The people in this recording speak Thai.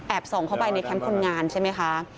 ส่องเข้าไปในแคมป์คนงานใช่ไหมคะ